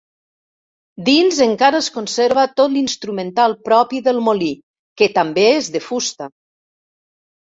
Dins encara es conserva tot l'instrumental propi del molí, que també és de fusta.